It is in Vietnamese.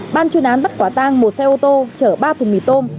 ban chuyên án bắt quả tang một xe ô tô chở ba thùng mì tôm